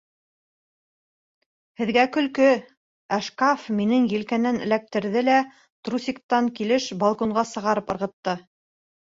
Һеҙгә көлкө, ә «шкаф» минең елкәнән эләктерҙе лә трусиктан килеш балконға сығарып ырғытты.